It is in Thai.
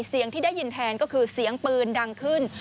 เสียงที่ได้ยินแทนก็คือเสียงปืนดังขึ้น